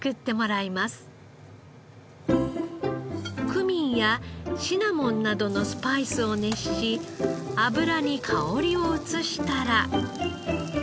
クミンやシナモンなどのスパイスを熱し油に香りを移したら。